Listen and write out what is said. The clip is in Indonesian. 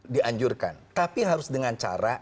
dianjurkan tapi harus dengan cara